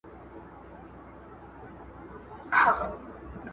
سردرد د اوږدې مودې لپاره ثبت کړئ.